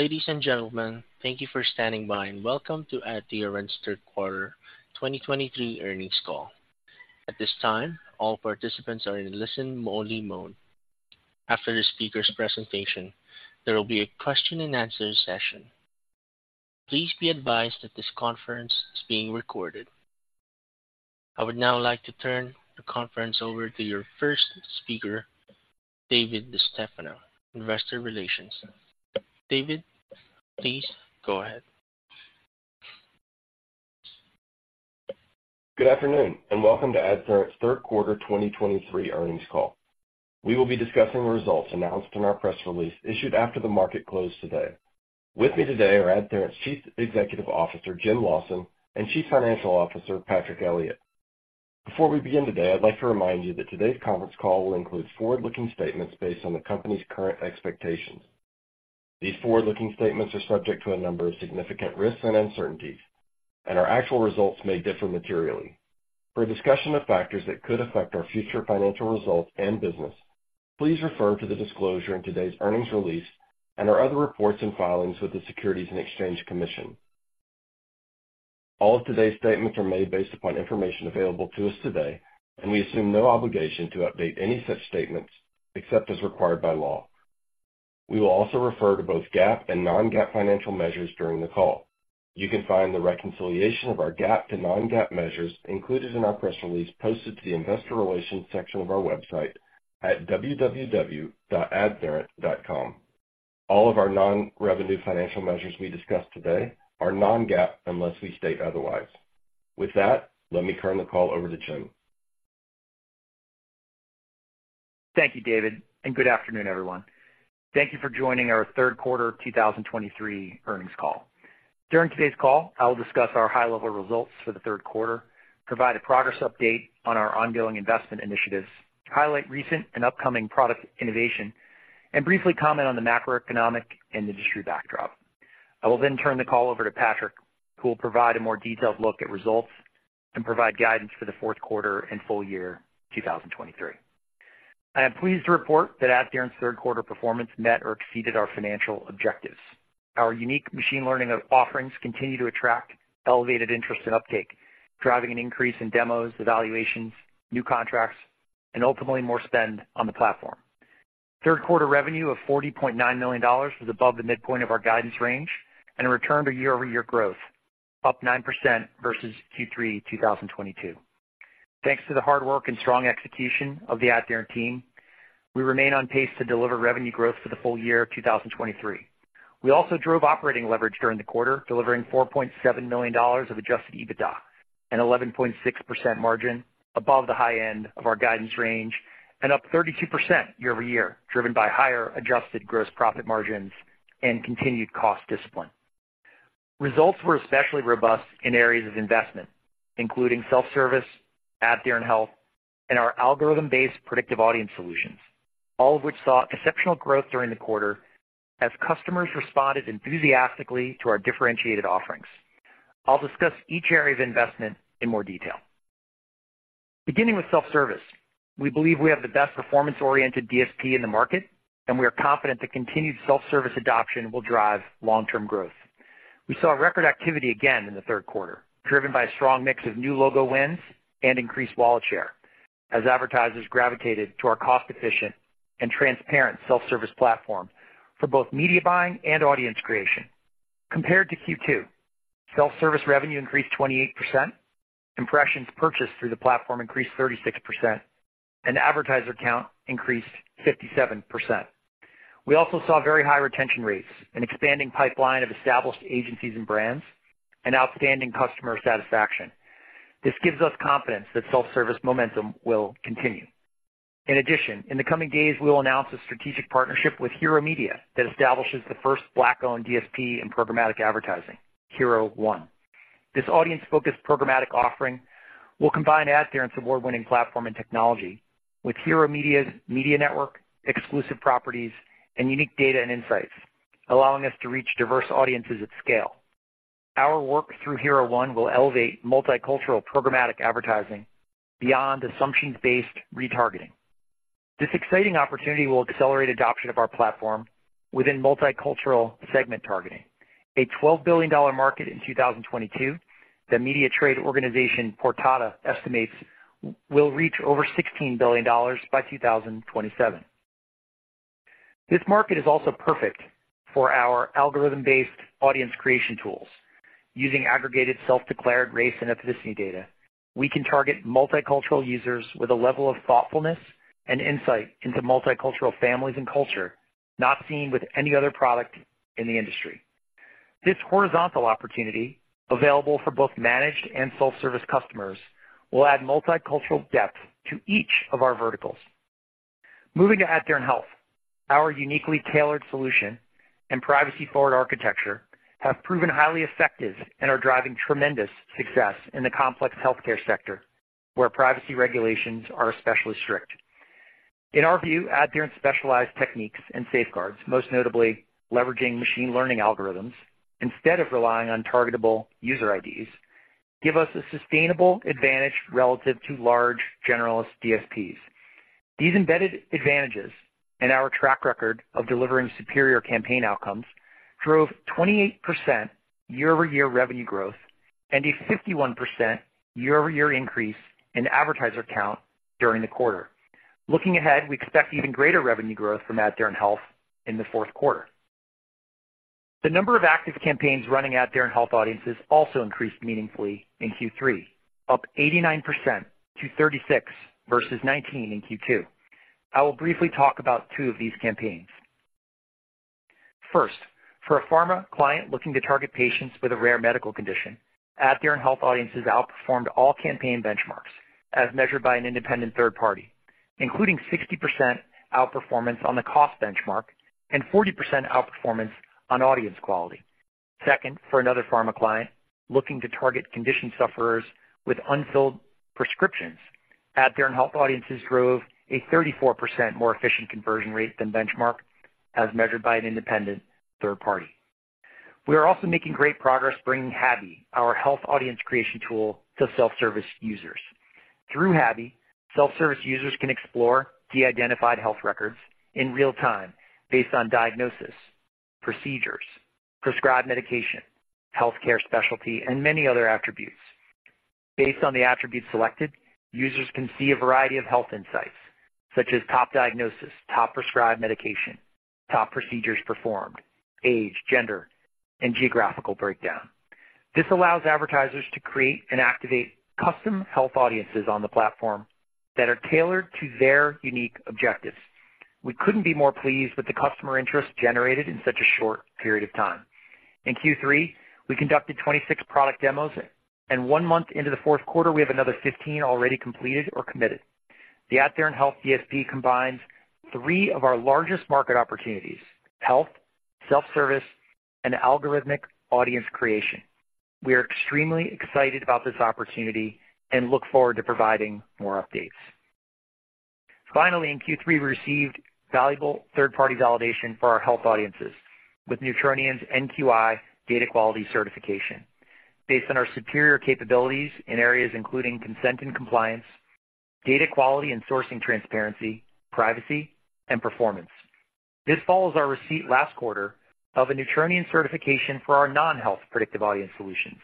Ladies and gentlemen, thank you for standing by, and welcome to AdTheorent's Third Quarter 2023 Earnings Call. At this time, all participants are in listen-only mode. After the speaker's presentation, there will be a question and answer session. Please be advised that this conference is being recorded. I would now like to turn the conference over to your first speaker, David DeStefano, Investor Relations. David, please go ahead. Good afternoon, and welcome to AdTheorent's Third Quarter 2023 Earnings Call. We will be discussing the results announced in our press release, issued after the market closed today. With me today are AdTheorent's Chief Executive Officer, Jim Lawson, and Chief Financial Officer, Patrick Elliott. Before we begin today, I'd like to remind you that today's conference call will include forward-looking statements based on the company's current expectations. These forward-looking statements are subject to a number of significant risks and uncertainties, and our actual results may differ materially. For a discussion of factors that could affect our future financial results and business, please refer to the disclosure in today's earnings release and our other reports and filings with the Securities and Exchange Commission. All of today's statements are made based upon information available to us today, and we assume no obligation to update any such statements except as required by law. We will also refer to both GAAP and non-GAAP financial measures during the call. You can find the reconciliation of our GAAP to non-GAAP measures included in our press release posted to the investor relations section of our website at www.adtheorent.com. All of our non-revenue financial measures we discuss today are non-GAAP unless we state otherwise. With that, let me turn the call over to Jim. Thank you, David, and good afternoon, everyone. Thank you for joining our third quarter 2023 earnings call. During today's call, I will discuss our high-level results for the third quarter, provide a progress update on our ongoing investment initiatives, highlight recent and upcoming product innovation, and briefly comment on the macroeconomic and industry backdrop. I will then turn the call over to Patrick, who will provide a more detailed look at results and provide guidance for the fourth quarter and full year 2023. I am pleased to report that AdTheorent's third quarter performance met or exceeded our financial objectives. Our unique machine learning offerings continue to attract elevated interest and uptake, driving an increase in demos, evaluations, new contracts, and ultimately more spend on the platform. Third quarter revenue of $40.9 million was above the midpoint of our guidance range and returned to year-over-year growth, up 9% versus Q3 2022. Thanks to the hard work and strong execution of the AdTheorent team, we remain on pace to deliver revenue growth for the full year of 2023. We also drove operating leverage during the quarter, delivering $4.7 million of adjusted EBITDA and 11.6% margin above the high end of our guidance range and up 32% year-over-year, driven by higher adjusted gross profit margins and continued cost discipline. Results were especially robust in areas of investment, including Self-Service, AdTheorent Health, and our algorithm-based predictive audience solutions, all of which saw exceptional growth during the quarter as customers responded enthusiastically to our differentiated offerings. I'll discuss each area of investment in more detail. Beginning with Self-Service, we believe we have the best performance-oriented DSP in the market, and we are confident that continued Self-Service adoption will drive long-term growth. We saw record activity again in the third quarter, driven by a strong mix of new logo wins and increased wallet share as advertisers gravitated to our cost-efficient and transparent Self-Service platform for both media buying and audience creation. Compared to Q2, Self-Service revenue increased 28%, impressions purchased through the platform increased 36%, and advertiser count increased 57%. We also saw very high retention rates, an expanding pipeline of established agencies and brands, and outstanding customer satisfaction. This gives us confidence that Self-Service momentum will continue. In addition, in the coming days, we will announce a strategic partnership with Hero Media that establishes the first Black-owned DSP in programmatic advertising, Hero One. This audience-focused programmatic offering will combine AdTheorent's award-winning platform and technology with Hero Media's media network, exclusive properties, and unique data and insights, allowing us to reach diverse audiences at scale. Our work through Hero One will elevate multicultural programmatic advertising beyond assumptions-based retargeting. This exciting opportunity will accelerate adoption of our platform within multicultural segment targeting, a $12 billion market in 2022, the media trade organization, Portada, estimates will reach over $16 billion by 2027. This market is also perfect for our algorithm-based audience creation tools. Using aggregated self-declared race and ethnicity data, we can target multicultural users with a level of thoughtfulness and insight into multicultural families and culture not seen with any other product in the industry. This horizontal opportunity, available for both managed and Self-Service customers, will add multicultural depth to each of our verticals. Moving to AdTheorent Health, our uniquely tailored solution and privacy-forward architecture have proven highly effective and are driving tremendous success in the complex healthcare sector, where privacy regulations are especially strict. In our view, AdTheorent's specialized techniques and safeguards, most notably leveraging machine learning algorithms instead of relying on targetable user IDs give us a sustainable advantage relative to large generalist DSPs. These embedded advantages and our track record of delivering superior campaign outcomes drove 28% year-over-year revenue growth and a 51% year-over-year increase in advertiser count during the quarter. Looking ahead, we expect even greater revenue growth from AdTheorent Health in the fourth quarter. The number of active campaigns running AdTheorent Health Audiences also increased meaningfully in Q3, up 89% to 36, versus 19 in Q2. I will briefly talk about two of these campaigns. First, for a pharma client looking to target patients with a rare medical condition, AdTheorent Health Audiences outperformed all campaign benchmarks, as measured by an independent third party, including 60% outperformance on the cost benchmark and 40% outperformance on audience quality. Second, for another pharma client looking to target condition sufferers with unfilled prescriptions, AdTheorent Health Audiences drove a 34% more efficient conversion rate than benchmark, as measured by an independent third party. We are also making great progress bringing HABi, our health audience creation tool, to Self-Service users. Through HABi, Self-Service users can explore de-identified health records in real time based on diagnosis, procedures, prescribed medications, healthcare specialty, and many other attributes. Based on the attributes selected, users can see a variety of health insights, such as top diagnosis, top prescribed medications, top procedures performed, age, gender, and geographical breakdown. This allows advertisers to create and activate custom health audiences on the platform that are tailored to their unique objectives. We couldn't be more pleased with the customer interest generated in such a short period of time. In Q3, we conducted 26 product demos, and one month into the fourth quarter, we have another 15 already completed or committed. The AdTheorent Health DSP combines three of our largest market opportunities: health, Self-Service, and algorithmic audience creation. We are extremely excited about this opportunity and look forward to providing more updates. Finally, in Q3, we received valuable third-party validation for our health audiences with Neutronian NQI data quality certification based on our superior capabilities in areas including consent and compliance, data quality and sourcing transparency, privacy, and performance. This follows our receipt last quarter of a Neutronian certification for our non-health predictive audience solutions.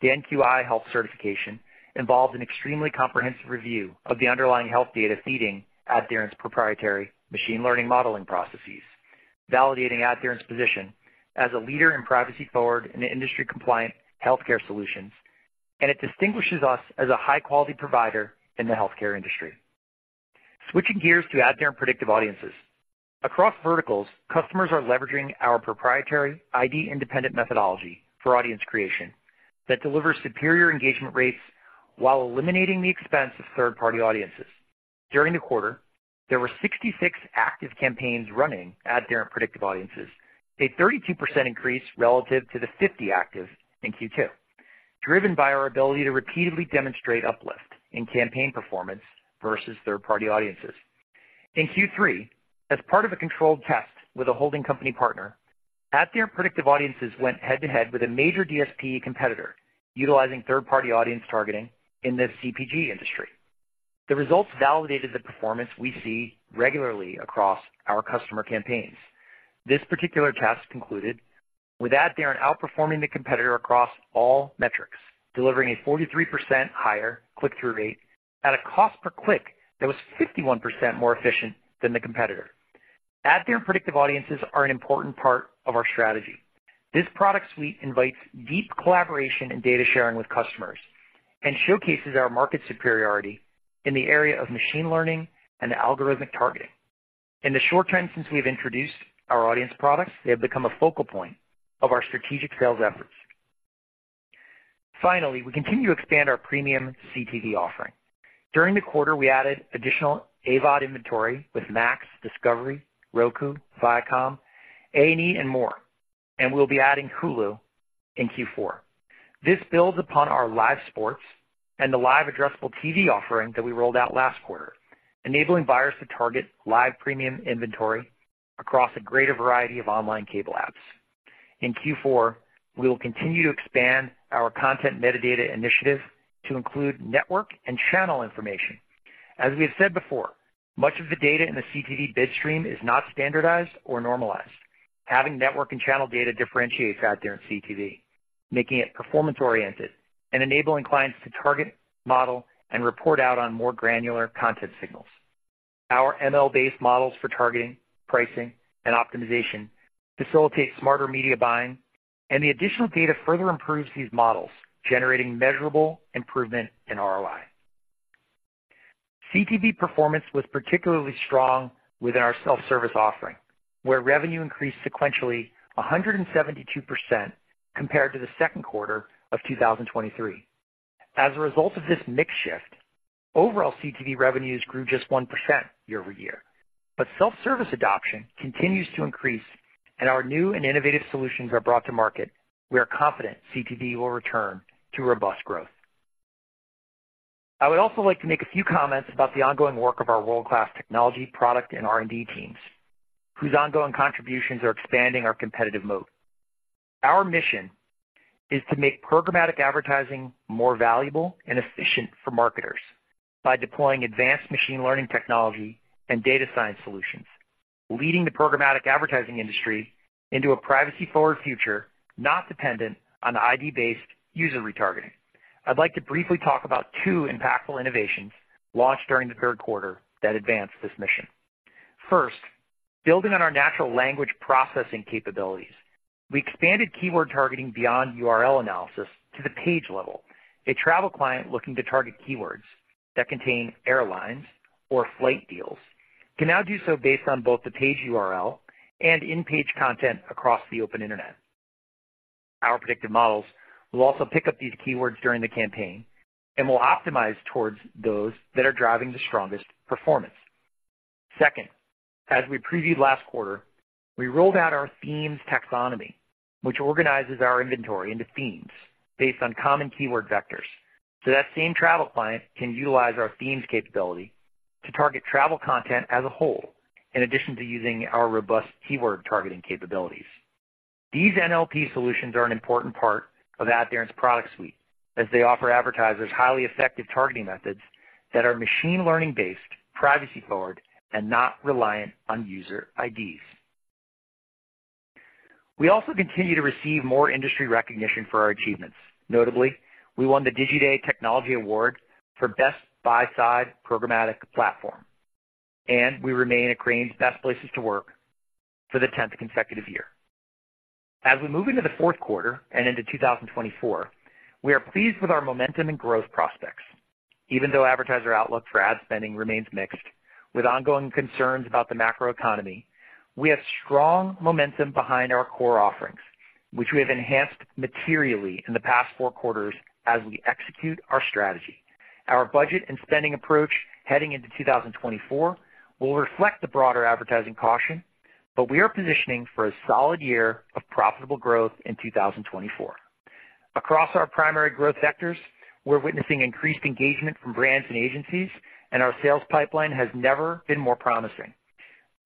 The NQI health certification involves an extremely comprehensive review of the underlying health data feeding AdTheorent's proprietary machine learning modeling processes, validating AdTheorent's position as a leader in privacy-forward and industry-compliant healthcare solutions, and it distinguishes us as a high-quality provider in the healthcare industry. Switching gears to AdTheorent Predictive Audiences. Across verticals, customers are leveraging our proprietary ID-independent methodology for audience creation that delivers superior engagement rates while eliminating the expense of third-party audiences. During the quarter, there were 66 active campaigns running AdTheorent Predictive Audiences, a 32% increase relative to the 50 active in Q2, driven by our ability to repeatedly demonstrate uplift in campaign performance versus third-party audiences. In Q3, as part of a controlled test with a holding company partner, AdTheorent Predictive Audiences went head-to-head with a major DSP competitor utilizing third-party audience targeting in the CPG industry. The results validated the performance we see regularly across our customer campaigns. This particular test concluded with AdTheorent outperforming the competitor across all metrics, delivering a 43% higher click-through rate at a cost per click that was 51% more efficient than the competitor. AdTheorent Predictive Audiences are an important part of our strategy. This product suite invites deep collaboration and data sharing with customers and showcases our market superiority in the area of machine learning and algorithmic targeting. In the short time since we've introduced our audience products, they have become a focal point of our strategic sales efforts. Finally, we continue to expand our premium CTV offering. During the quarter, we added additional AVOD inventory with Max, Discovery, Roku, Viacom, A&E, and more, and we'll be adding Hulu in Q4. This builds upon our live sports and the live addressable TV offering that we rolled out last quarter, enabling buyers to target live premium inventory across a greater variety of online cable apps. In Q4, we will continue to expand our content metadata initiative to include network and channel information. As we have said before, much of the data in the CTV bid stream is not standardized or normalized. Having network and channel data differentiates AdTheorent CTV, making it performance-oriented and enabling clients to target, model, and report out on more granular content signals. Our ML-based models for targeting, pricing, and optimization facilitate smarter media buying, and the additional data further improves these models, generating measurable improvement in ROI. CTV performance was particularly strong within our Self-Service offering, where revenue increased sequentially 172% compared to the second quarter of 2023. As a result of this mix shift, overall CTV revenues grew just 1% year-over-year. But Self-Service adoption continues to increase, and our new and innovative solutions are brought to market. We are confident CTV will return to robust growth. I would also like to make a few comments about the ongoing work of our world-class technology, product, and R&D teams, whose ongoing contributions are expanding our competitive moat. Our mission is to make programmatic advertising more valuable and efficient for marketers by deploying advanced machine learning technology and data science solutions, leading the programmatic advertising industry into a privacy-forward future, not dependent on ID-based user retargeting. I'd like to briefly talk about two impactful innovations launched during the third quarter that advanced this mission. First, building on our natural language processing capabilities, we expanded keyword targeting beyond URL analysis to the page level. A travel client looking to target keywords that contain airlines or flight deals can now do so based on both the page URL and in-page content across the open internet. Our predictive models will also pick up these keywords during the campaign and will optimize towards those that are driving the strongest performance. Second, as we previewed last quarter, we rolled out our Themes Taxonomy, which organizes our inventory into themes based on common keyword vectors. So that same travel client can utilize our themes capability to target travel content as a whole, in addition to using our robust keyword targeting capabilities. These NLP Solutions are an important part of AdTheorent's product suite, as they offer advertisers highly effective targeting methods that are machine-learning-based, privacy-forward, and not reliant on user IDs. We also continue to receive more industry recognition for our achievements. Notably, we won the Digiday Technology Award for Best Buy-Side Programmatic Platform, and we remain at Crain's Best Places to Work for the 10th consecutive year. As we move into the fourth quarter and into 2024, we are pleased with our momentum and growth prospects. Even though advertiser outlook for ad spending remains mixed, with ongoing concerns about the macroeconomy, we have strong momentum behind our core offerings, which we have enhanced materially in the past 4 quarters as we execute our strategy. Our budget and spending approach heading into 2024 will reflect the broader advertising caution, but we are positioning for a solid year of profitable growth in 2024. Across our primary growth sectors, we're witnessing increased engagement from brands and agencies, and our sales pipeline has never been more promising.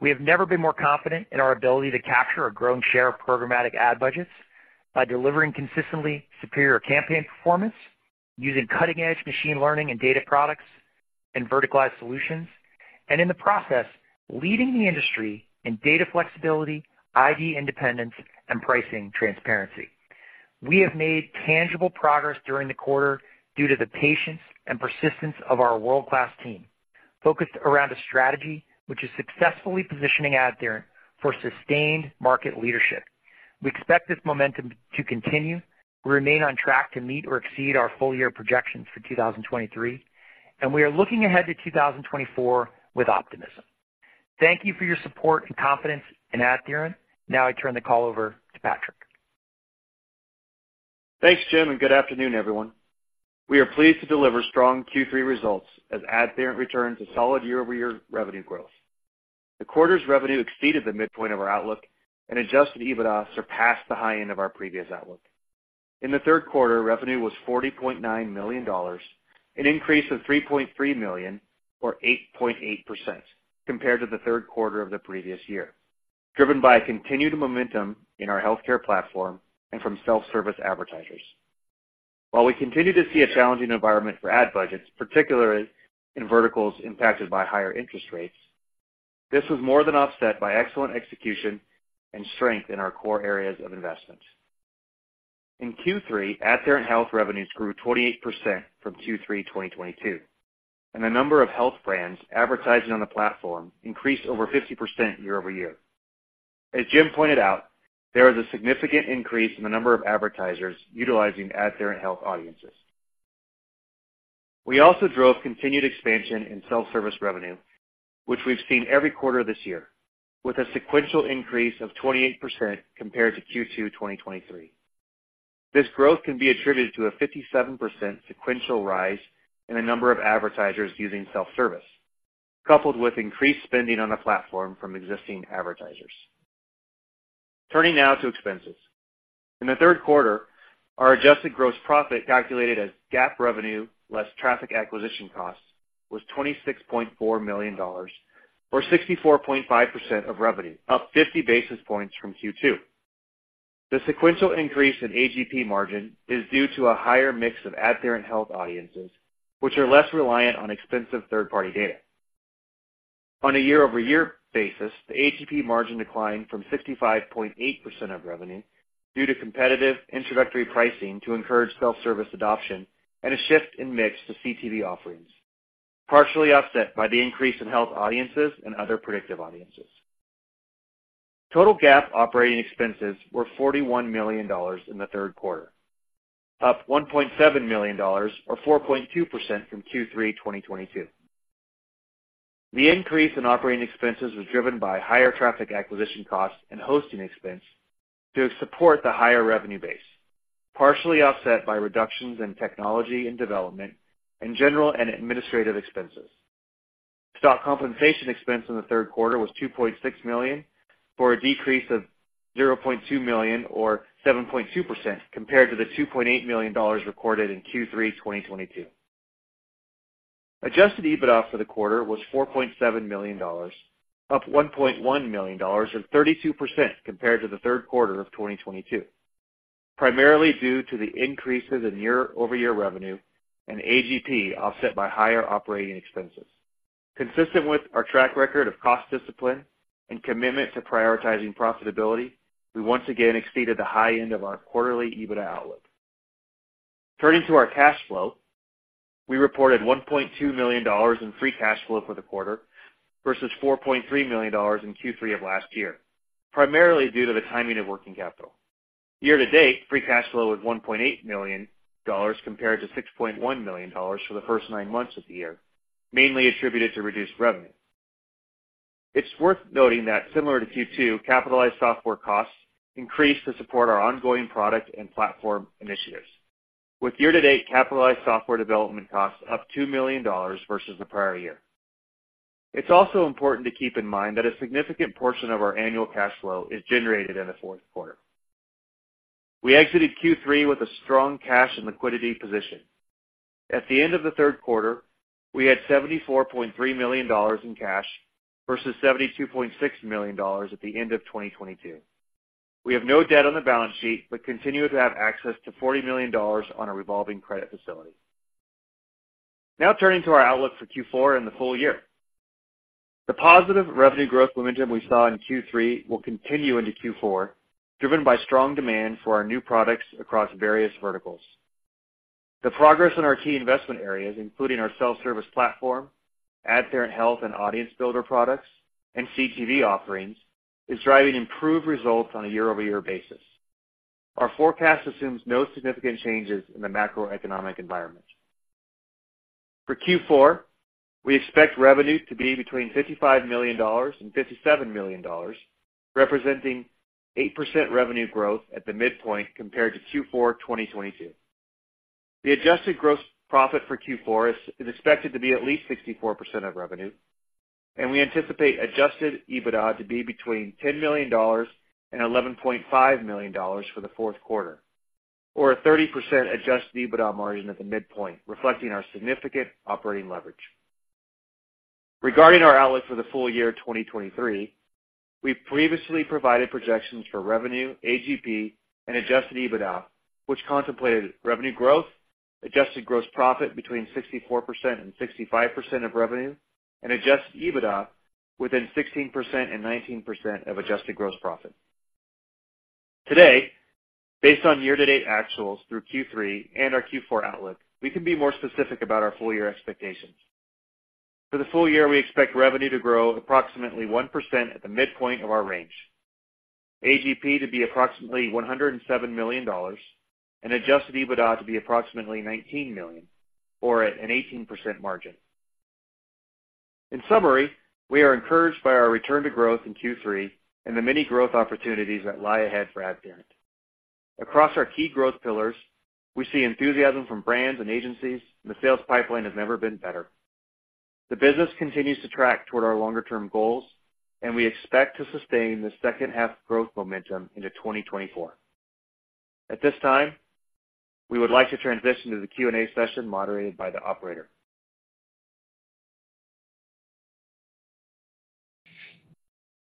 We have never been more confident in our ability to capture a growing share of programmatic ad budgets by delivering consistently superior campaign performance, using cutting-edge machine learning and data products and verticalized solutions, and in the process, leading the industry in data flexibility, ID independence, and pricing transparency. We have made tangible progress during the quarter due to the patience and persistence of our world-class team, focused around a strategy which is successfully positioning AdTheorent for sustained market leadership. We expect this momentum to continue. We remain on track to meet or exceed our full-year projections for 2023, and we are looking ahead to 2024 with optimism. Thank you for your support and confidence in AdTheorent. Now I turn the call over to Patrick. Thanks, Jim, and good afternoon, everyone. We are pleased to deliver strong Q3 results as AdTheorent returned to solid year-over-year revenue growth. The quarter's revenue exceeded the midpoint of our outlook, and Adjusted EBITDA surpassed the high end of our previous outlook. In the third quarter, revenue was $40.9 million, an increase of $3.3 million, or 8.8%, compared to the third quarter of the previous year, driven by a continued momentum in our healthcare platform and from Self-Service advertisers. While we continue to see a challenging environment for ad budgets, particularly in verticals impacted by higher interest rates, this was more than offset by excellent execution and strength in our core areas of investment. In Q3, AdTheorent Health revenues grew 28% from Q3 2022, and the number of health brands advertising on the platform increased over 50% year-over-year. As Jim pointed out, there is a significant increase in the number of advertisers utilizing AdTheorent Health Audiences. We also drove continued expansion in Self-Service revenue, which we've seen every quarter this year, with a sequential increase of 28% compared to Q2 2023. This growth can be attributed to a 57% sequential rise in the number of advertisers using Self-Service, coupled with increased spending on the platform from existing advertisers. Turning now to expenses. In the third quarter, our adjusted gross profit, calculated as GAAP revenue less traffic acquisition costs, was $26.4 million, or 64.5% of revenue, up 50 basis points from Q2. The sequential increase in AGP margin is due to a higher mix of AdTheorent Health Audiences, which are less reliant on expensive third-party data. On a year-over-year basis, the AGP margin declined from 65.8% of revenue due to competitive introductory pricing to encourage Self-Service adoption and a shift in mix to CTV offerings, partially offset by the increase in health audiences and other predictive audiences. Total GAAP operating expenses were $41 million in the third quarter, up $1.7 million, or 4.2% from Q3 2022. The increase in operating expenses was driven by higher traffic acquisition costs and hosting expense to support the higher revenue base, partially offset by reductions in technology and development and general and administrative expenses. Stock compensation expense in the third quarter was $2.6 million, for a decrease of $0.2 million or 7.2% compared to the $2.8 million recorded in Q3 2022. Adjusted EBITDA for the quarter was $4.7 million, up $1.1 million, or 32% compared to the third quarter of 2022, primarily due to the increases in year-over-year revenue and AGP, offset by higher operating expenses. Consistent with our track record of cost discipline and commitment to prioritizing profitability, we once again exceeded the high end of our quarterly EBITDA outlook. Turning to our cash flow, we reported $1.2 million in free cash flow for the quarter, versus $4.3 million in Q3 of last year, primarily due to the timing of working capital. Year-to-date, free cash flow was $1.8 million, compared to $6.1 million for the first nine months of the year, mainly attributed to reduced revenue. It's worth noting that, similar to Q2, capitalized software costs increased to support our ongoing product and platform initiatives, with year-to-date capitalized software development costs up $2 million versus the prior year. It's also important to keep in mind that a significant portion of our annual cash flow is generated in the fourth quarter. We exited Q3 with a strong cash and liquidity position. At the end of the third quarter, we had $74.3 million in cash versus $72.6 million at the end of 2022. We have no debt on the balance sheet, but continue to have access to $40 million on a revolving credit facility. Now turning to our outlook for Q4 and the full year. The positive revenue growth momentum we saw in Q3 will continue into Q4, driven by strong demand for our new products across various verticals. The progress on our key investment areas, including our Self-Service platform, AdTheorent Health and Audience Builder products, and CTV offerings, is driving improved results on a year-over-year basis. Our forecast assumes no significant changes in the macroeconomic environment. For Q4, we expect revenue to be between $55 million and $57 million, representing 8% revenue growth at the midpoint compared to Q4 2022. The Adjusted Gross Profit for Q4 is expected to be at least 64% of revenue, and we anticipate Adjusted EBITDA to be between $10 million and $11.5 million for the fourth quarter, or a 30% Adjusted EBITDA margin at the midpoint, reflecting our significant operating leverage. Regarding our outlook for the full year 2023, we previously provided projections for revenue, AGP, and Adjusted EBITDA, which contemplated revenue growth, Adjusted Gross Profit between 64% and 65% of revenue, and Adjusted EBITDA within 16% and 19% of Adjusted Gross Profit. Today, based on year-to-date actuals through Q3 and our Q4 outlook, we can be more specific about our full year expectations. For the full year, we expect revenue to grow approximately 1% at the midpoint of our range, AGP to be approximately $107 million, and adjusted EBITDA to be approximately $19 million, or at an 18% margin. In summary, we are encouraged by our return to growth in Q3 and the many growth opportunities that lie ahead for AdTheorent. Across our key growth pillars, we see enthusiasm from brands and agencies, and the sales pipeline has never been better. The business continues to track toward our longer-term goals, and we expect to sustain the second half growth momentum into 2024. At this time, we would like to transition to the Q&A session moderated by the operator.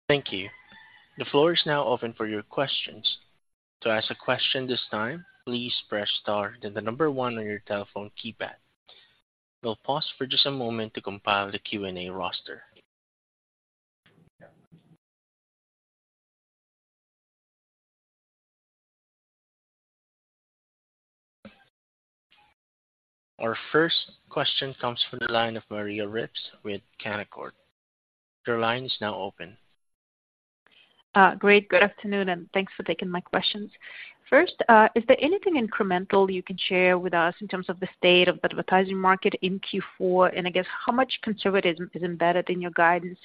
Thank you. The floor is now open for your questions. To ask a question this time, please press star, then the number 1 on your telephone keypad. We'll pause for just a moment to compile the Q&A roster. Our first question comes from the line of Maria Ripps with Canaccord. Your line is now open. Great. Good afternoon, and thanks for taking my questions. First, is there anything incremental you can share with us in terms of the state of the advertising market in Q4? And I guess, how much conservatism is embedded in your guidance?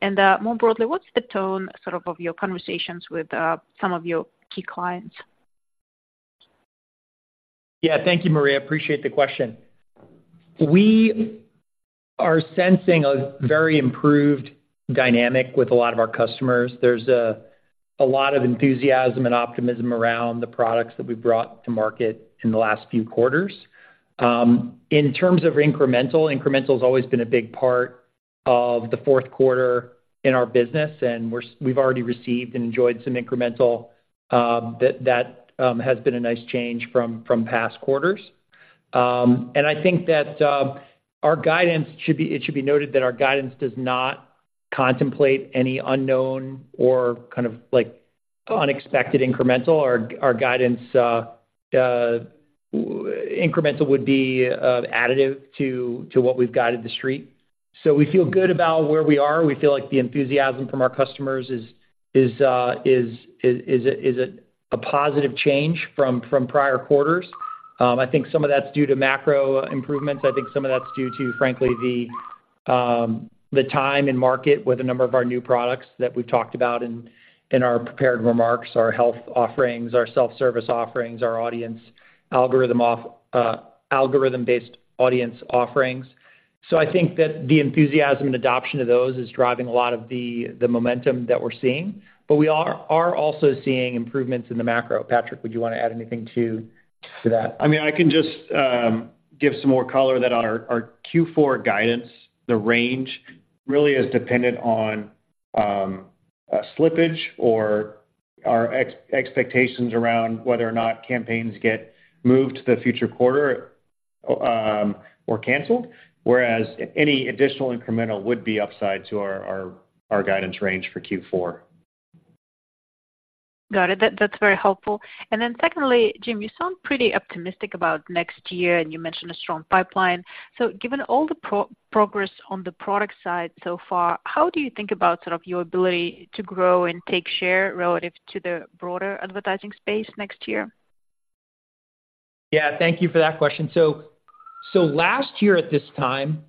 And, more broadly, what's the tone, sort of, of your conversations with some of your key clients? Yeah. Thank you, Maria. Appreciate the question. We are sensing a very improved dynamic with a lot of our customers. There's a lot of enthusiasm and optimism around the products that we've brought to market in the last few quarters. In terms of incremental, incremental has always been a big part of the fourth quarter in our business, and we've already received and enjoyed some incremental that has been a nice change from past quarters. And I think that our guidance should be. It should be noted that our guidance does not contemplate any unknown or kind of like unexpected incremental. Our guidance incremental would be additive to what we've guided the Street. So we feel good about where we are. We feel like the enthusiasm from our customers is a positive change from prior quarters. I think some of that's due to macro improvements. I think some of that's due to, frankly, the time and market with a number of our new products that we've talked about in our prepared remarks, our health offerings, our Self-Service offerings, our audience algorithm off. Algorithm-based audience offerings. So I think that the enthusiasm and adoption of those is driving a lot of the momentum that we're seeing. But we are also seeing improvements in the macro. Patrick, would you want to add anything to that? I mean, I can just give some more color that on our Q4 guidance, the range really is dependent on slippage or our expectations around whether or not campaigns get moved to the future quarter, or canceled, whereas any additional incremental would be upside to our guidance range for Q4. Got it. That's very helpful. And then secondly, Jim, you sound pretty optimistic about next year, and you mentioned a strong pipeline. So given all the progress on the product side so far, how do you think about sort of your ability to grow and take share relative to the broader advertising space next year? Yeah, thank you for that question. So last year at this time,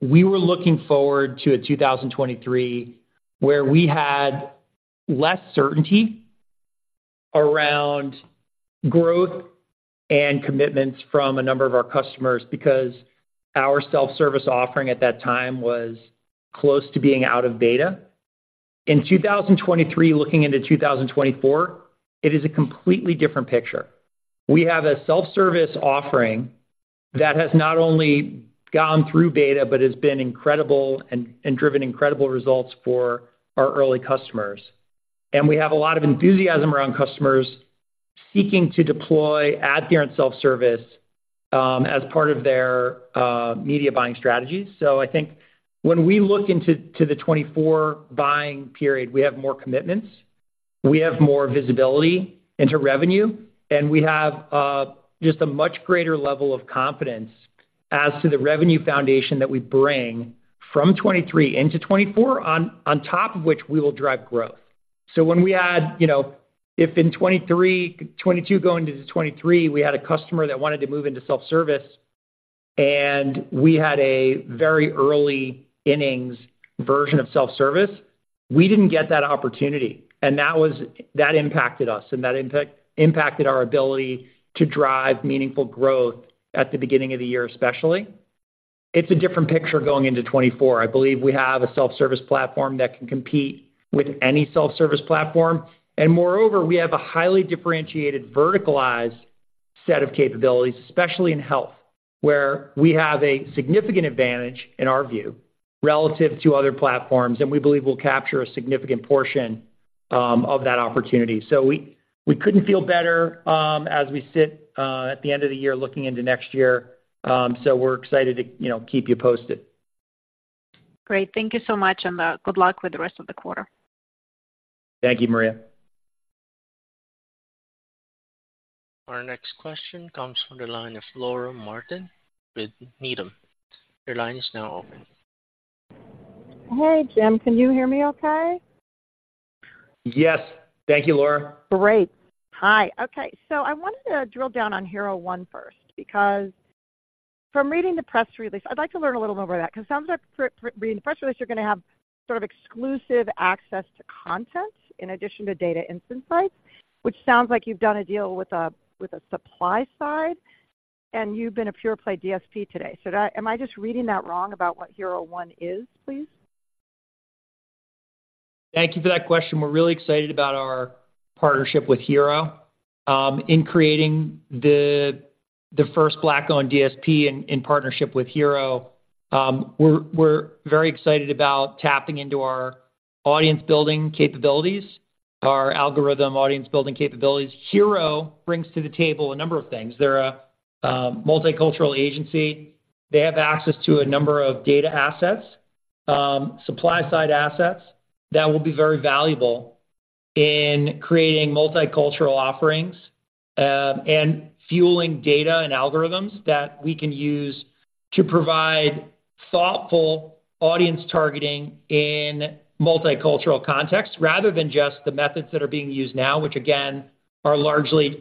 we were looking forward to a 2023, where we had less certainty around growth and commitments from a number of our customers because our Self-Service offering at that time was close to being out of beta. In 2023, looking into 2024, it is a completely different picture. We have a Self-Service offering that has not only gone through beta, but has been incredible and driven incredible results for our early customers. And we have a lot of enthusiasm around customers seeking to deploy AdTheorent Self-Service, as part of their media buying strategies. So I think when we look into the 2024 buying period, we have more commitments, we have more visibility into revenue, and we have just a much greater level of confidence as to the revenue foundation that we bring from 2023 into 2024, on top of which we will drive growth. So when we had, you know, if in 2023-2022, going into 2023, we had a customer that wanted to move into Self-Service, and we had a very early innings version of Self-Service, we didn't get that opportunity, and that was, that impacted us, and that impact impacted our ability to drive meaningful growth at the beginning of the year, especially. It's a different picture going into 2024. I believe we have a Self-Service platform that can compete with any Self-Service platform. Moreover, we have a highly differentiated verticalized set of capabilities, especially in health, where we have a significant advantage, in our view, relative to other platforms, and we believe we'll capture a significant portion of that opportunity. So we couldn't feel better as we sit at the end of the year, looking into next year. So we're excited to, you know, keep you posted. Great. Thank you so much, and good luck with the rest of the quarter. Thank you, Maria. Our next question comes from the line of Laura Martin with Needham. Your line is now open. Hey, Jim, can you hear me okay? Yes. Thank you, Laura. Great. Hi. Okay, so I wanted to drill down on Hero One first, because from reading the press release, I'd like to learn a little more about that. Because it sounds like re-reading the press release, you're gonna have sort of exclusive access to content in addition to data insights, which sounds like you've done a deal with a, with a supply-side, and you've been a pure play DSP today. So am I just reading that wrong about what Hero One is, please? Thank you for that question. We're really excited about our partnership with Hero. In creating the first Black-owned DSP in partnership with Hero, we're very excited about tapping into our audience-building capabilities, our algorithm audience-building capabilities. Hero brings to the table a number of things. They're a multicultural agency. They have access to a number of data assets, supply-side assets, that will be very valuable in creating multicultural offerings, and fueling data and algorithms that we can use to provide thoughtful audience targeting in multicultural context, rather than just the methods that are being used now, which again, are largely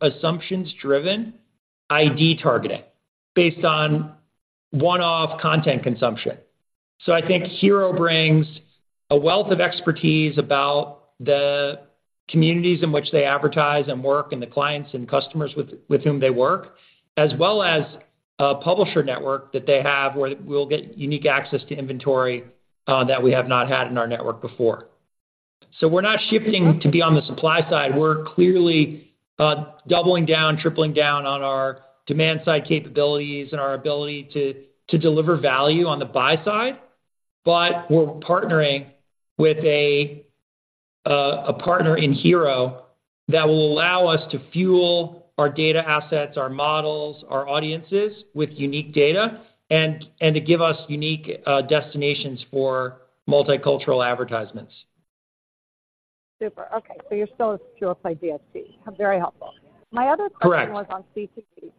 assumptions-driven ID targeting based on one-off content consumption. So I think Hero brings a wealth of expertise about the communities in which they advertise and work, and the clients and customers with, with whom they work, as well as a publisher network that they have, where we'll get unique access to inventory that we have not had in our network before. So we're not shifting to be on the supply-side. We're clearly doubling down, tripling down on our demand-side capabilities and our ability to deliver value on the buy-side. But we're partnering with a partner in Hero that will allow us to fuel our data assets, our models, our audiences, with unique data, and to give us unique destinations for multicultural advertisements. Super. Okay, so you're still a pure play DSP. Very helpful. Correct. My other question was on CTV.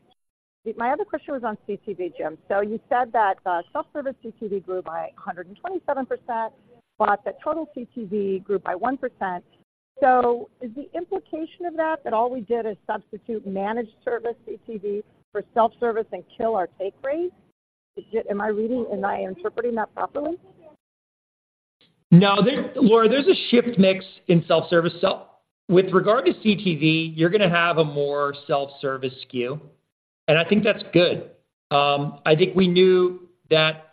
My other question was on CTV, Jim. So you said that, Self-Service CTV grew by 127%, but that total CTV grew by 1%. So is the implication of that, that all we did is substitute managed service CTV for Self-Service and kill our take rate? Am I reading, am I interpreting that properly? No, there, Laura, there's a shift mix in Self-Service. So with regard to CTV, you're gonna have a more Self-Service SKU, and I think that's good. I think we knew that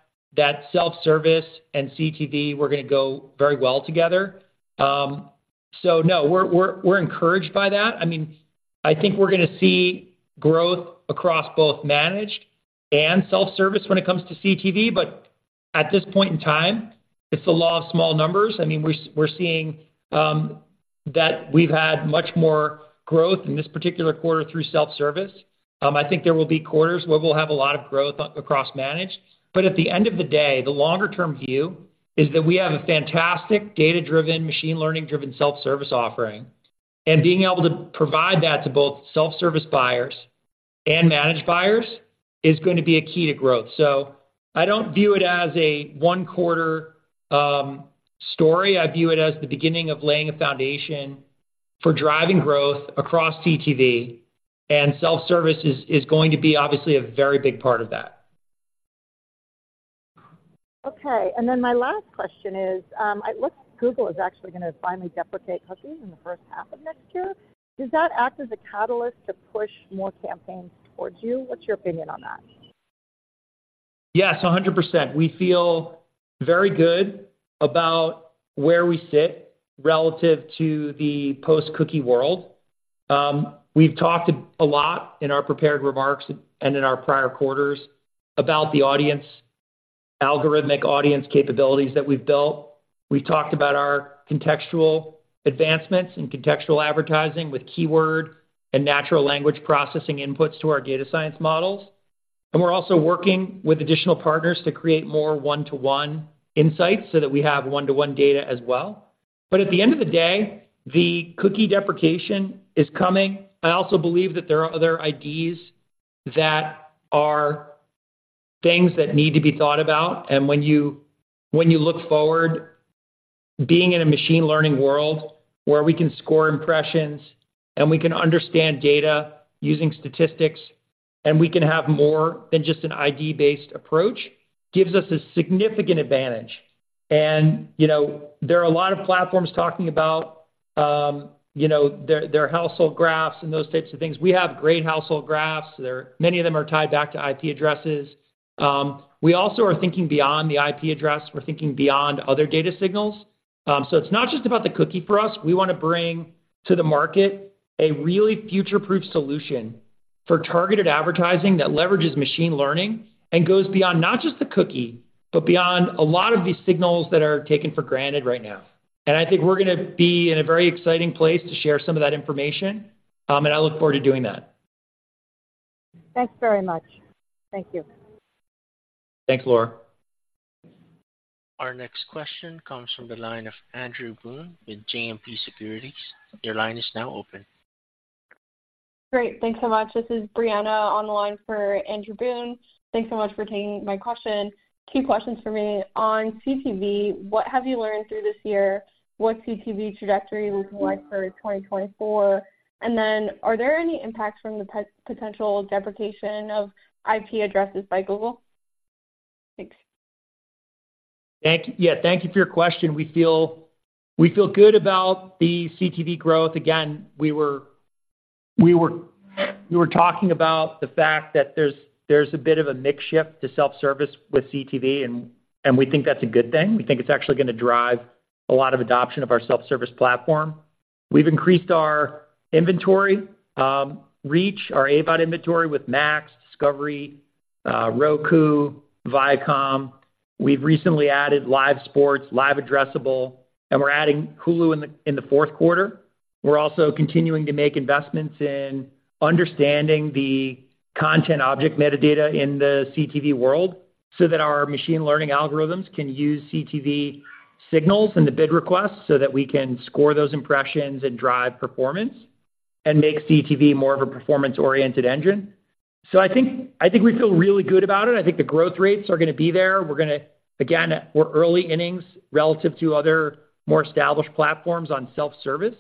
Self-Service and CTV were gonna go very well together. So no, we're encouraged by that. I mean, I think we're gonna see growth across both managed and Self-Service when it comes to CTV, but at this point in time, it's the law of small numbers. I mean, we're seeing that we've had much more growth in this particular quarter through Self-Service. I think there will be quarters where we'll have a lot of growth across managed, but at the end of the day, the longer-term view is that we have a fantastic data-driven, machine-learning-driven Self-Service offering, and being able to provide that to both Self-Service buyers and managed buyers is going to be a key to growth. So I don't view it as a one-quarter story. I view it as the beginning of laying a foundation for driving growth across CTV, and Self-Service is going to be obviously a very big part of that. Okay, and then my last question is, it looks Google is actually gonna finally deprecate cookies in the first half of next year. Does that act as a catalyst to push more campaigns towards you? What's your opinion on that? Yes, 100%. We feel very good about where we sit relative to the post-cookie world. We've talked a lot in our prepared remarks and in our prior quarters about the audience algorithmic audience capabilities that we've built. We've talked about our contextual advancements in contextual advertising with keyword and natural language processing inputs to our data science models. And we're also working with additional partners to create more one-to-one insights so that we have one-to-one data as well. But at the end of the day, the cookie deprecation is coming. I also believe that there are other IDs that are things that need to be thought about. And when you, when you look forward, being in a machine learning world where we can score impressions, and we can understand data using statistics, and we can have more than just an ID-based approach, gives us a significant advantage. And, you know, there are a lot of platforms talking about, you know, their, their household graphs and those types of things. We have great household graphs. Many of them are tied back to IP addresses. We also are thinking beyond the IP address. We're thinking beyond other data signals. So it's not just about the cookie for us. We wanna bring to the market a really future-proof solution for targeted advertising that leverages machine learning and goes beyond not just the cookie, but beyond a lot of these signals that are taken for granted right now. I think we're gonna be in a very exciting place to share some of that information, and I look forward to doing that. Thanks very much. Thank you. Thanks, Laura. Our next question comes from the line of Andrew Boone with JMP Securities. Your line is now open. Great. Thanks so much. This is Brianna on the line for Andrew Boone. Thanks so much for taking my question. Key questions for me. On CTV, what have you learned through this year? What's CTV trajectory looking like for 2024? And then are there any impacts from the potential deprecation of IP addresses by Google? Thanks. Thank you. Yeah, thank you for your question. We feel good about the CTV growth. Again, we were talking about the fact that there's a bit of a mix shift to Self-Service with CTV and we think that's a good thing. We think it's actually gonna drive a lot of adoption of our Self-Service platform. We've increased our inventory reach, our AVOD inventory with Max, Discovery, Roku, Viacom. We've recently added live sports, live addressable, and we're adding Hulu in the fourth quarter. We're also continuing to make investments in understanding the content object metadata in the CTV world, so that our machine learning algorithms can use CTV signals in the bid requests, so that we can score those impressions and drive performance, and make CTV more of a performance-oriented engine. So I think, I think we feel really good about it. I think the growth rates are gonna be there. We're gonna, again, we're early innings relative to other more established platforms on Self-Service.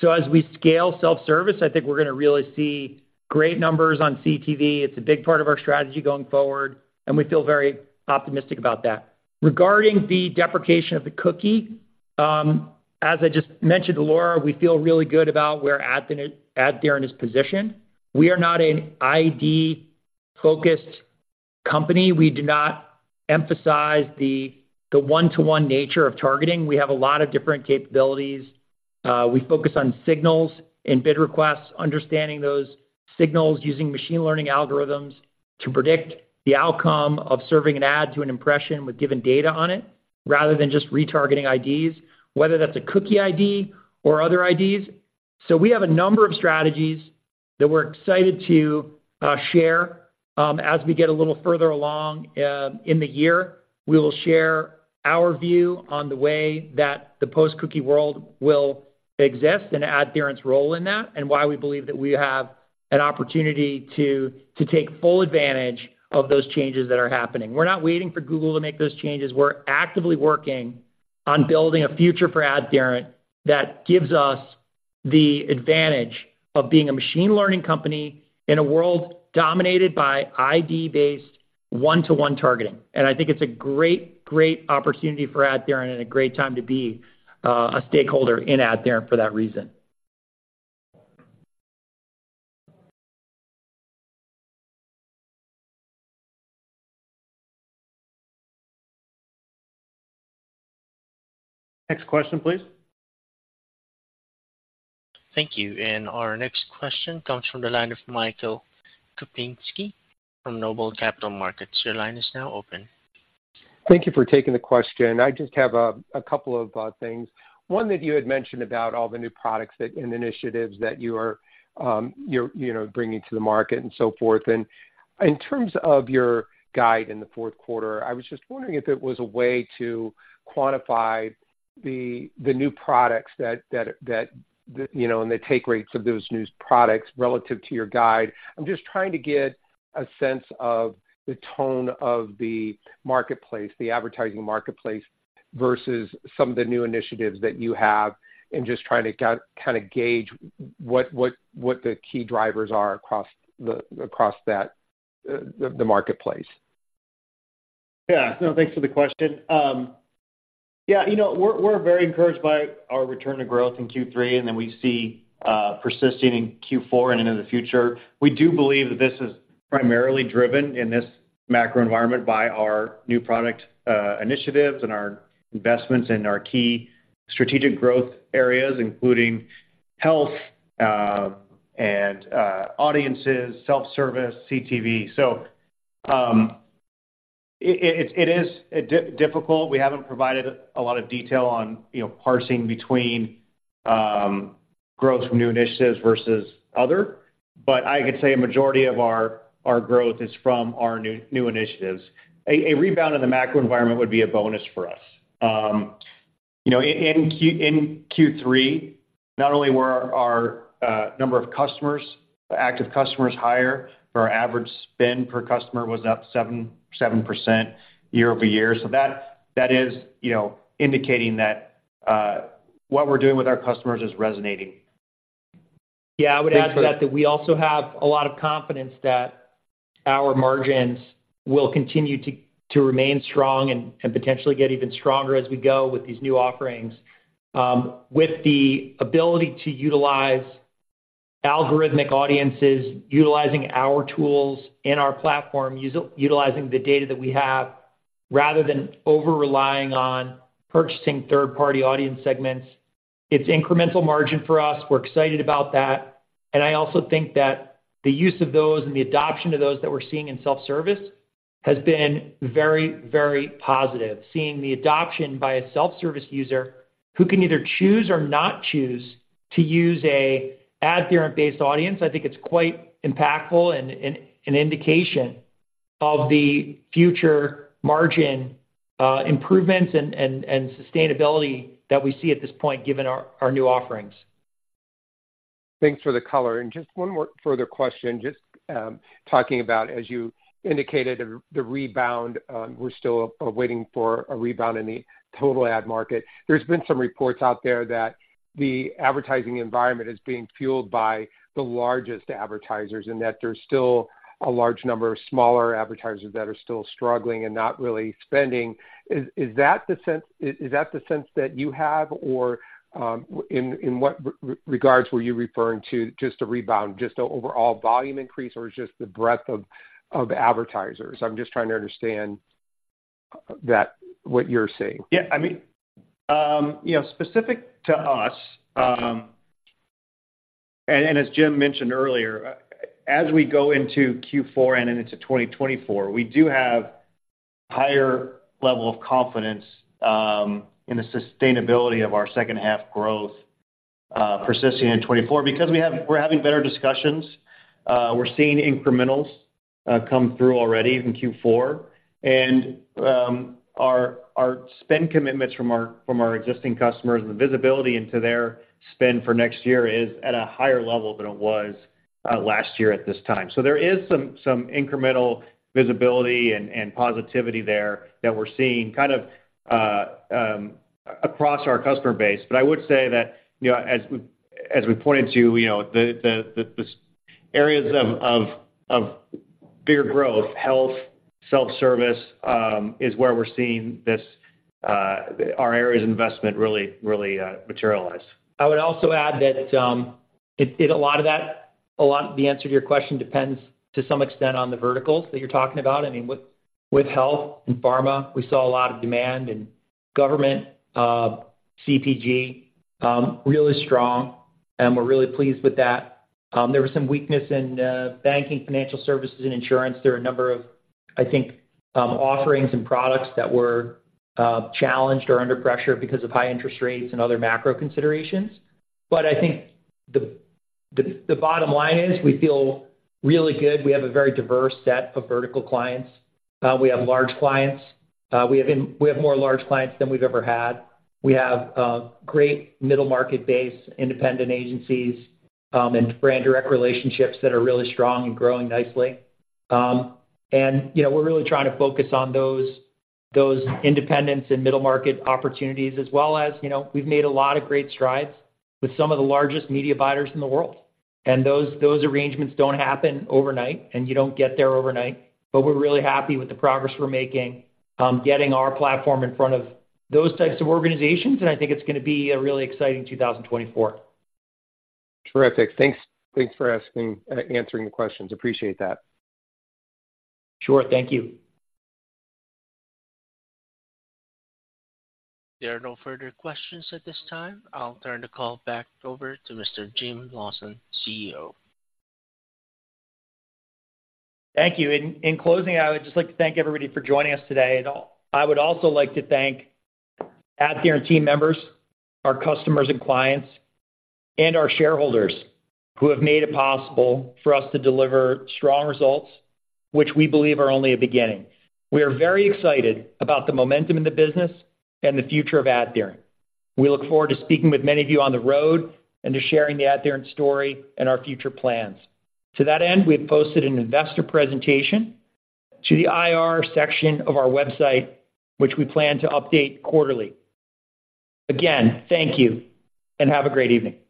So as we scale Self-Service, I think we're gonna really see great numbers on CTV. It's a big part of our strategy going forward, and we feel very optimistic about that. Regarding the deprecation of the cookie, as I just mentioned to Laura, we feel really good about where AdTheorent is positioned. We are not an ID-focused company. We do not emphasize the one-to-one nature of targeting. We have a lot of different capabilities. We focus on signals and bid requests, understanding those signals, using machine learning algorithms to predict the outcome of serving an ad to an impression with given data on it, rather than just retargeting IDs, whether that's a cookie ID or other IDs. So we have a number of strategies that we're excited to share. As we get a little further along in the year, we will share our view on the way that the post-cookie world will exist and AdTheorent's role in that, and why we believe that we have an opportunity to take full advantage of those changes that are happening. We're not waiting for Google to make those changes. We're actively working on building a future for AdTheorent that gives us the advantage of being a machine learning company in a world dominated by ID-based one-to-one targeting. I think it's a great, great opportunity for AdTheorent, and a great time to be a stakeholder in AdTheorent for that reason. Next question, please. Thank you. And our next question comes from the line of Michael Kupinski from Noble Capital Markets. Your line is now open. Thank you for taking the question. I just have a couple of things. One, that you had mentioned about all the new products that and initiatives that you are, you're you know bringing to the market and so forth. And in terms of your guide in the fourth quarter, I was just wondering if there was a way to quantify the new products that you know and the take rates of those new products relative to your guide. I'm just trying to get a sense of the tone of the marketplace, the advertising marketplace, versus some of the new initiatives that you have, and just trying to kind of gauge what the key drivers are across that the marketplace. Yeah. No, thanks for the question. Yeah, you know, we're very encouraged by our return to growth in Q3, and then we see persisting in Q4 and into the future. We do believe that this is primarily driven in this macro environment by our new product initiatives and our investments in our key strategic growth areas, including health, and audiences, Self-Service, CTV. So, it is difficult. We haven't provided a lot of detail on, you know, parsing between growth from new initiatives versus other, but I could say a majority of our growth is from our new initiatives. A rebound in the macro environment would be a bonus for us. You know, in Q3, not only were our number of active customers higher, but our average spend per customer was up 7% year-over-year. So that is, you know, indicating that what we're doing with our customers is resonating. Yeah, I would add to that, that we also have a lot of confidence that our margins will continue to remain strong and potentially get even stronger as we go with these new offerings. With the ability to utilize algorithmic audiences, utilizing our tools and our platform, utilizing the data that we have, rather than over-relying on purchasing third-party audience segments. It's incremental margin for us. We're excited about that. And I also think that the use of those and the adoption of those that we're seeing in Self-Service has been very, very positive. Seeing the adoption by a Self-Service user who can either choose or not choose to use an AdTheorent-based Audience, I think it's quite impactful and an indication of the future margin improvements and sustainability that we see at this point, given our new offerings. Thanks for the color. Just one more further question, just, talking about, as you indicated, the rebound. We're still waiting for a rebound in the total ad market. There's been some reports out there that the advertising environment is being fueled by the largest advertisers, and that there's still a large number of smaller advertisers that are still struggling and not really spending. Is that the sense that you have, or, in what regards were you referring to just a rebound, just an overall volume increase, or just the breadth of advertisers? I'm just trying to understand that, what you're seeing. Yeah, I mean, you know, specific to us, and as Jim mentioned earlier, as we go into Q4 and into 2024, we do have higher level of confidence in the sustainability of our second half growth persisting in 2024 because we're having better discussions. We're seeing incrementals come through already in Q4. And our spend commitments from our existing customers and the visibility into their spend for next year is at a higher level than it was last year at this time. So there is some incremental visibility and positivity there that we're seeing kind of across our customer base. But I would say that, you know, as we pointed to, you know, the areas of bigger growth, health, Self-Service, is where we're seeing this, our areas of investment really, really, materialize. I would also add that a lot of that. The answer to your question depends to some extent on the verticals that you're talking about. I mean, with Health and Pharma, we saw a lot of demand, and Government, CPG, really strong, and we're really pleased with that. There was some weakness in Banking, Financial Services, and Insurance. There are a number of, I think, offerings and products that were challenged or under pressure because of high interest rates and other macro considerations. But I think the bottom line is, we feel really good. We have a very diverse set of vertical clients. We have large clients. We have more large clients than we've ever had. We have a great middle-market base, independent agencies, and brand direct relationships that are really strong and growing nicely. And, you know, we're really trying to focus on those independents and middle-market opportunities, as well as, you know, we've made a lot of great strides with some of the largest media buyers in the world. And those arrangements don't happen overnight, and you don't get there overnight. But we're really happy with the progress we're making, getting our platform in front of those types of organizations, and I think it's gonna be a really exciting 2024. Terrific. Thanks, thanks for asking, answering the questions. Appreciate that. Sure. Thank you. There are no further questions at this time. I'll turn the call back over to Mr. Jim Lawson, CEO. Thank you. In closing, I would just like to thank everybody for joining us today. I would also like to thank AdTheorent team members, our customers and clients, and our shareholders who have made it possible for us to deliver strong results, which we believe are only a beginning. We are very excited about the momentum in the business and the future of AdTheorent. We look forward to speaking with many of you on the road, and to sharing the AdTheorent story and our future plans. To that end, we've posted an investor presentation to the IR Section of our website, which we plan to update quarterly. Again, thank you, and have a great evening.